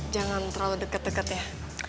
jangan terlalu deket deket ya